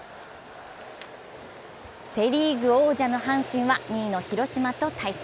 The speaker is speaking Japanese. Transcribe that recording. セ・リーグ王者の阪神は２位の広島と対戦。